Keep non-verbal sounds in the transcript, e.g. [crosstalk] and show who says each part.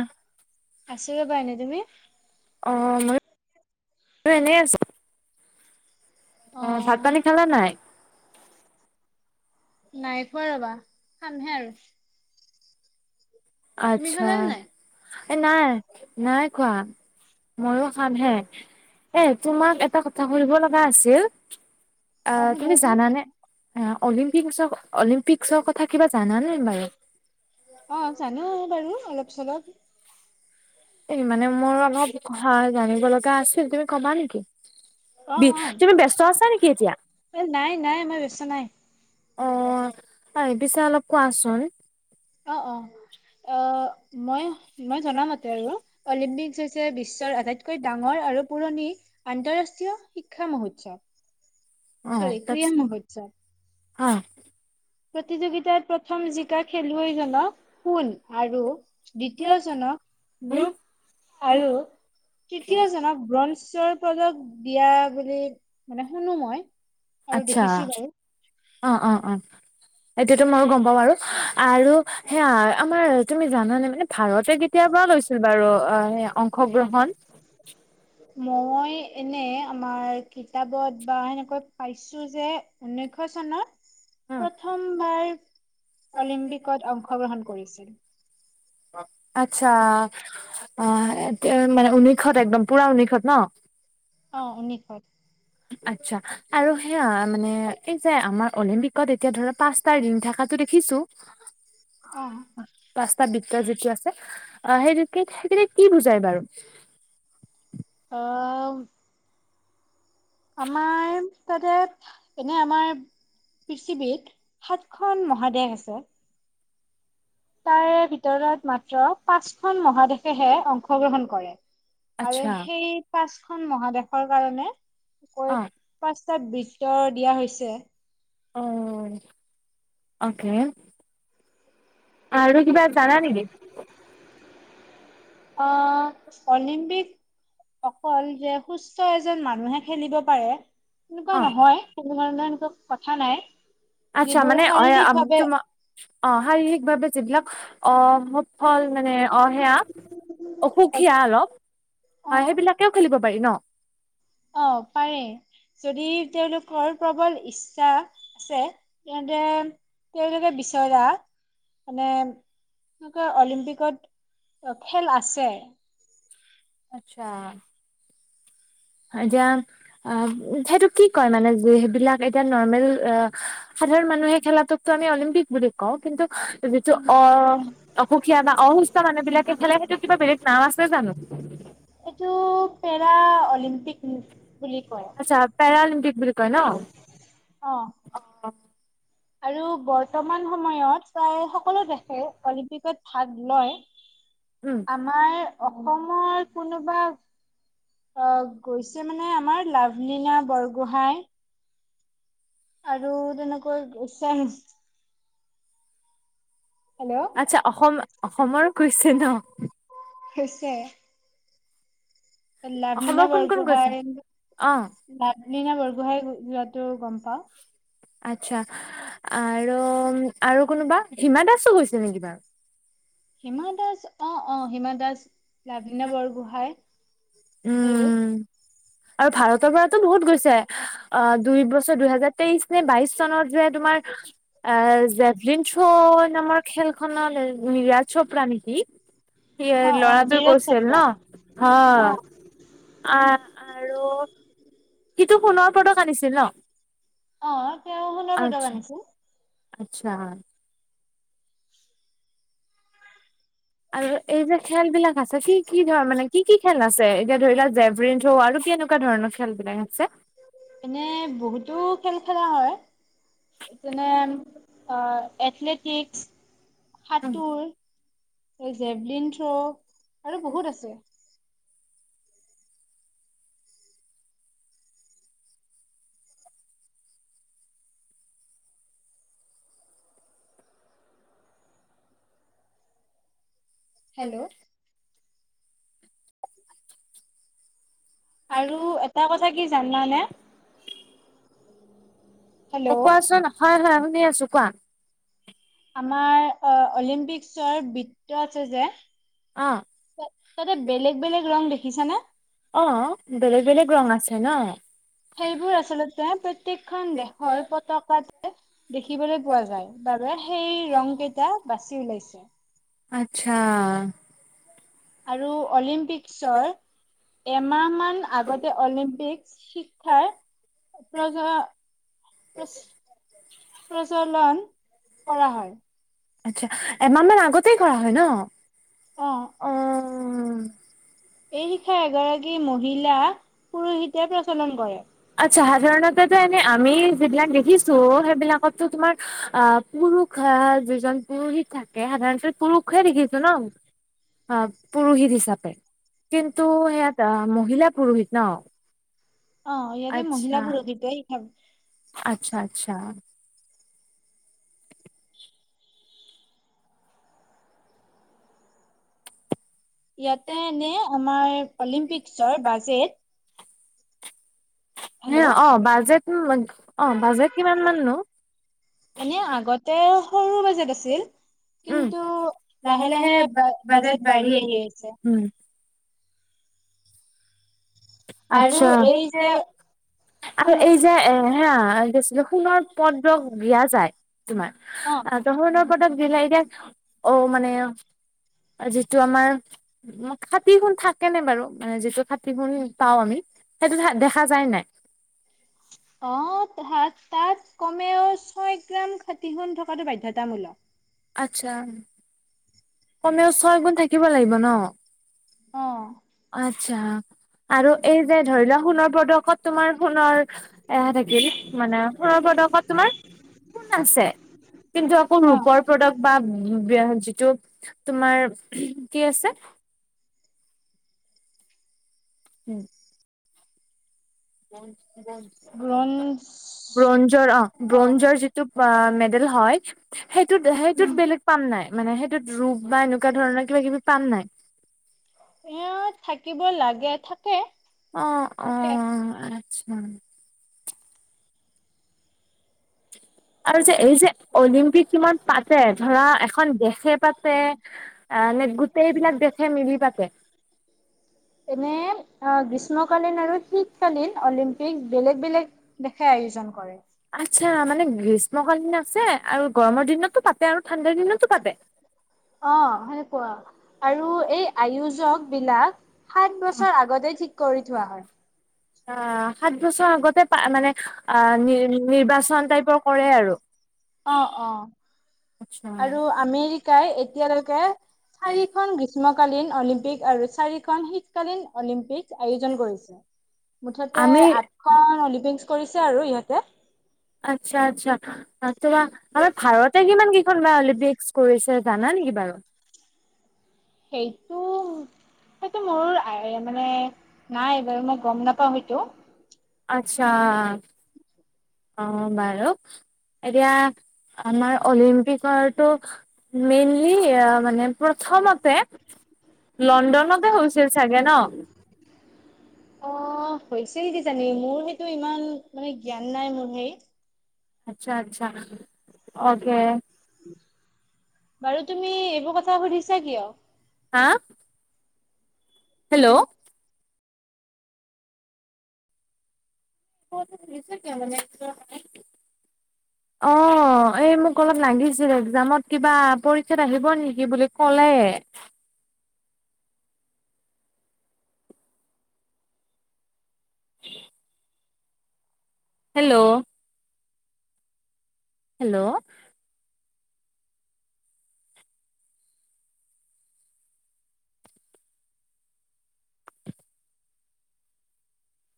Speaker 1: আহ।
Speaker 2: আছো ৰবা এনে তুমি?
Speaker 1: অ মই এনে আছো।
Speaker 2: অ'
Speaker 1: আহ ভাত পানী খালা নাই?
Speaker 2: নাই খোৱা ৰবা খামহে আৰু। তুমি
Speaker 1: আচ্ছা।
Speaker 2: খালা নে নাই?
Speaker 1: এ নাই নাই কোৱা ময়ো খাম হে এ তোমাক এটা কথা সুনিব লগা আছিল
Speaker 2: অ'
Speaker 1: আহ তুমি
Speaker 2: সোধাচোন
Speaker 1: জানানে অলিম্পিক অলিম্পিকসৰ কথা কিবা জানাানে বাৰু?
Speaker 2: অ' [unintelligible] বাৰু অলপ চলপ
Speaker 1: এই মানে মোৰ অলপ ক জানিব লগা আছে তুমি কম নেকি? বি
Speaker 2: অ',
Speaker 1: তুমি ব্যস্ত আছা নেকি এতিয়া
Speaker 2: অ, নাই নাই মই ব্যস্ত নাই।
Speaker 1: অ', ই পিছে অলপ কোৱাচোন
Speaker 2: অ', অ, মই মই জনামতে আৰু অলিম্পিক বিশ্বৰ আটাইতকৈ ডাঙৰ আৰু পুৰণি আন্তঃৰাষ্ট্ৰীয় শিক্ষা মহোৎসৱ চৰি ক্ৰিয়ান [unintelligible]
Speaker 1: হ।
Speaker 2: প্ৰতিযোগিতাত প্ৰথম জিকা খেলুৱৈজনক সণ আৰু দ্বিতীয় জনক ৰূপ আৰু তৃতীয়জনক ব্ৰঞ্জ শৰ পজক বিয়া বুলি মানে শুনো মই আৰু
Speaker 1: আচ্ছা
Speaker 2: দেখিছো বাৰু
Speaker 1: অঁ অঁ অঁ এইতিয়াতো ময়ো গম পাওঁ আৰু আৰু সেয়া আমাৰ তুমি জানানে মানে ভাৰতে কেতিয়াৰ পৰা লৈছিল বাৰু অঁ অংশগ্ৰহণ?
Speaker 2: মই এনে আমাৰ কিতাপত বা সেনেকৈ পাইছো যে ঊনৈশ চনত
Speaker 1: উম।
Speaker 2: প্ৰথমবাৰ অলিম্পিকত অংশগ্ৰহণ কৰিছিল।
Speaker 1: আচ্ছা অ', এতিয়া মানে ঊনৈশত একদম পুৰা ঊনৈষত ন?
Speaker 2: অঁ উনৈষত
Speaker 1: আচ্ছা আৰু সেয়া মানে এই যে আমাৰ অলিম্পিকত এতিয়া ধৰা পাঁচটা ৰিং থাকাটো দেখিছো
Speaker 2: অ
Speaker 1: পাাস্তা বি যিটো আছে অঁ সেইটো ঠিক তেনে কি বুজাই বাৰু
Speaker 2: অঁ আমাৰ তাতে এনে আমাৰ পৃথিৱীত সাতখন মহাদেশ আছে তাৰে ভিতৰত মাত্ৰ পাঁচখন মহাদেশেহে অংশগ্ৰহণ কৰে আৰু
Speaker 1: আচ্ছা
Speaker 2: সেই পাঁচ খন মহাদেশৰ কাৰণে [unintelligible]
Speaker 1: অ
Speaker 2: টা বৃত্ত দিয়া হৈছে
Speaker 1: অঁ অ'কে আৰু কিবা জানা নেকি
Speaker 2: অঁ অলিম্পিক অকল যে সুস্থ এজন মানুহে খেলিব পাৰে
Speaker 1: অ
Speaker 2: তেনেকুৱা নহয় কথা নাই
Speaker 1: আচ্ছা
Speaker 2: যিবোৰ
Speaker 1: মানে অঁ
Speaker 2: শাৰীৰিক ভাৱে
Speaker 1: তোমাৰ অঁ শাৰীৰিকভাৱে যিবিলাক অঁ স ফল মানে অঁ সেয়া অসুখীয়া অলপ হয় সেইবিলাকেও খেলিব পাৰি ন
Speaker 2: অঁ পাৰে যদি তেওঁলোকৰ প্ৰবল ইচ্ছা আছে তেন্তে তেওঁলোকে বিচৰা মানে অলিম্পিকত খেল আছে
Speaker 1: আটচ্ছা এতিয়া আঁ সেইটো কি কয় মানে সেইবিলাক এতিয়া নৰ্মেল আঁ সাধাৰণ মানুহে খেলাটোকটো আমি অলিম্পিক বুলি কওঁ কিন্তু যিটো অঁ অসুখীয়া বা অসুস্থ মানুহ বিলাকে খেলে সেইটো কিবা বেলেগ নাম আছে জানো
Speaker 2: এইটো পেৰা [unintelligible]
Speaker 1: আচ্ছা পেৰা অলিম্পিক কয় ন
Speaker 2: আৰু বৰ্তমান সময়ত প্ৰায় সকলো দেশে অলিম্পিকত ভাগ লয়
Speaker 1: উম
Speaker 2: আমাৰ অসমৰ কোনোবা অ গৈছে মানে আমাৰ লাভলীনা বৰগোঁহাই। আৰু তেনেকৈ চে।
Speaker 1: আচ্ছা অসম। অসমৰ কৈছে নহ।
Speaker 2: হৈছে।
Speaker 1: অসমৰ
Speaker 2: লাভলীনা
Speaker 1: কোন কোন গৈছে
Speaker 2: বৰগোহাঁই
Speaker 1: অ
Speaker 2: লাভলীনা বৰগোহাঁই। [unintelligible] ত গম পাওঁ।
Speaker 1: আচ্ছা আৰু আৰু কোনোবা হিমা দাসো গৈছে নেকি বাৰু।
Speaker 2: হিমা দাস অ অ হিমা দাস লাভলীনা বৰগোহাঁই। হেল্ল'।
Speaker 1: উম আৰু ভাৰতৰ পৰাতো বহুত গৈছে আহ দুই বছৰ দুহেজাৰ তেইশ নে বাইশ চনত যে তোমাৰ এ জেভলিন থ্ৰ নামৰ খেলখনত নিৰাজ চোপ্ৰা নেকি সি
Speaker 2: অ অ
Speaker 1: লৰাটোৱে
Speaker 2: নীৰজ
Speaker 1: গৈছিল
Speaker 2: চোপ্ৰা
Speaker 1: নহ
Speaker 2: অ
Speaker 1: হ। আহ আৰু। সিটো সোণৰ পদক আনিছিল নহ।
Speaker 2: অ। সোণৰ পদক আনিছে।
Speaker 1: আচ্ছা। আৰু এই যে খেল বিলাক আছে কি কি ধৰ মানে কি কি খেল আছে। এতিয়া ধৰি লোৱা জেভলিন থ্ৰ আৰু কি কেনেকুৱা ধৰণৰ খেলবিলাক আছে।
Speaker 2: এনে বহুতো খেল খেলা হয় যেনে অ এথলেটিক্স। সাঁতৰ। Javelin throw. আৰু বহুত আছে।
Speaker 1: হেল্ল'।
Speaker 2: আৰু এটা কথা কি জানানে। হেল্ল'
Speaker 1: কোৱাচোন হয় হয় শুনি আছোঁ। ছোঁ কোৱা।
Speaker 2: আমাৰ অ অলিম্পিকচৰ বৃত্ত আছে যে।
Speaker 1: অ
Speaker 2: তাতে বেলেগ বেলেগ ৰং দেখিছানে
Speaker 1: অ বেলেগ বেলেগ ৰং আছে নহ।
Speaker 2: সেইবোৰ আচলতে প্ৰত্যেকখন দেশৰ পতকাত। দেখিবলৈ পোৱা যায় বাবে সেই ৰং কেইটা বাছি ওলাইছে। [inaudible]
Speaker 1: আচ্ছা।
Speaker 2: আৰু অলিম। পিকচৰ। এমাহ মাহ আগতে অলিম্পিক শিক্ষাৰ প্ৰজলন কৰা হয়
Speaker 1: আচ্ছা এমাহ মান আগতেই কৰা হয় ন অ
Speaker 2: এই শিক্ষাই এগৰাকী মহিলা পুৰুষিতে প্ৰচলন কৰে
Speaker 1: চাহ জক মানে আমি যিবিলাক দেখিছো সেইবিলাকতো তোমাৰ অ পুৰুষ যিজন পুৰুহিত থাকে সাধাৰণতে পুৰুষে দেখিছো ন অ পুৰোহিত হিচাপে কিন্তু সেয়াত মহিলা পুৰোহিত ন
Speaker 2: অ ইয়াতে
Speaker 1: আচ্ছা
Speaker 2: মহিলা পুৰকিত এই খ
Speaker 1: আচ্ছা আচ্ছা
Speaker 2: ইয়াতে এনে আমাৰ অলিম্পিকচৰ বাজেট
Speaker 1: ন
Speaker 2: হেল্ল'
Speaker 1: অ বাজেট অ বাজেট কিমান মাননো
Speaker 2: এনে আগতে সৰু বাজেট আছিল
Speaker 1: উম
Speaker 2: কিন্তু লাহে লাহে বাজেট বাঢ়ি আহি আহিছে
Speaker 1: উম আৰু এই যে আৰু এই যে এ হে কি আছিল সোণৰ পদ্ৰক দিয়া যায় তোমাৰ
Speaker 2: অ
Speaker 1: ত সোণৰ পদত দিলে এতিয়া অ মানে যিটো আমাৰ খাতি সুণ থাকে নে বাৰু যিটো খাতি সুন পাও আমি সেইটো দেখা যায় নাই
Speaker 2: অ তাত তাত কমেও ছয়গ্ৰাম খাতি সোন থকাটো বাধ্যতামূলক
Speaker 1: আচ্ছা কমেও ছয় গুণ থাকিব লাগিব ন
Speaker 2: অ
Speaker 1: আচ্ছা আৰু এই যে ধৰি লোৱা সোণৰ পদকত তোমাৰ সোণৰ এ থাকিল মানে সোণৰ পদকত তোমাৰ সোণ আছে কিন্তু আকৌ ৰূপৰ পদক বা যিটো তোমাৰ কি আছে উম। [unintelligible]
Speaker 2: ব্ৰঞ্জ
Speaker 1: ব্ৰঞ্জৰ অ' ব্ৰঞ্জৰ যিটো মেডেল হয় সেইটোত সেইটোত বেলেগ পাম নাই মানে সেইটোত ৰূপ বা এনেকুৱা ধৰণৰ কিবা কিবি পাম নাই।
Speaker 2: এ থাকিব লাগে থ
Speaker 1: অ -অ উম। আৰু যে এই যে অলিম্পিক কিমান পাতে ধৰা এখন দেশে পাতে নে গোটেইবিলাক দেশে মিলি পাতে।
Speaker 2: এনে অ', গ্ৰীষ্মকালীন আৰু শীতকালীন অলিম্পিক বেলেগ বেলেগ দেশাই আয়োজন কৰে।
Speaker 1: আচ্ছা মানে গ্ৰীষ্ম কালিন আছে আৰু গৰমৰ দিনতো পাতে আৰু ঠাণ্ডাৰ দিনতো পাতে।
Speaker 2: অ', সেনেকুৱা। আৰু এই আয়োজক বিলাক। সাত বছৰ আগতে ঠিক কৰি থোৱা হয়।
Speaker 1: অ' সাত বছৰ আগতে পা মানে অ' নি নিৰ্বাচন টাইপৰ কৰে আৰু
Speaker 2: অ -অ আৰু আমেৰিকাই এতিয়ালৈকে
Speaker 1: আচ্ছা।
Speaker 2: চাৰিখন বিশ গ্ৰীষ্মকালীন অলিম্পিক আৰু চাৰিখন শীতকালীন অলিম্প [inaudible] [inaudible] আয়োজন কৰিছে। মুঠতে
Speaker 1: আমি
Speaker 2: আঠখন [inaudible] কৰিছে আৰু ইহঁতে।
Speaker 1: আচ্ছা, আচ্ছা, তোমাৰ আমাৰ ভাৰতে কিমানকেইখন বা অলিম্পিক কৰিছে, জানা নেকি বাৰু?
Speaker 2: সেইটো, সেইটো [inaudible] নাই, বাৰু, মই গম নাপাওঁ সেইটো।
Speaker 1: আচ্ছা অ', বাৰু, এতিয়া আমাৰ অলিম্পিকৰটো মেইনলি আ মানে। প্ৰথমতে লণ্ডনতে হৈছিল চাগে, ন?
Speaker 2: হৈছিল কিজানি, মোৰ সেইটো ইমান মানে জ্ঞান নাই মোৰ, হেৰি।
Speaker 1: আচ্ছা, আচ্ছা, অ'কে।
Speaker 2: বাৰু, তুমি এইবোৰ কথা সুধিছা কিয়?
Speaker 1: হা হেল্ল' [unintelligible] অ', এই মোক অলপ লাগিছিল, এক্জামত কিবা পৰীক্ষাত আহিব নেকি বুলি ক'লে। Hello hello